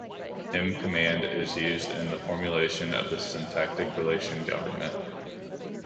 M-command is used in the formulation of the syntactic relation government.